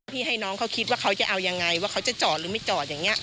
พี่ให้น้องเขาคิดว่าเขาจะเอายังไงว่าเขาจะจอดหรือไม่จอดอย่างนี้